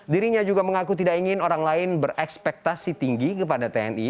dirinya juga mengaku tidak ingin orang lain berekspektasi tinggi kepada tni